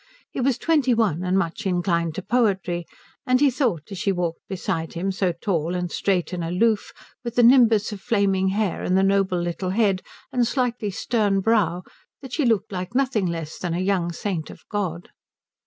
He was twenty one and much inclined to poetry, and he thought as she walked beside him so tall and straight and aloof, with the nimbus of flaming hair and the noble little head and slightly stern brow that she looked like nothing less than a young saint of God.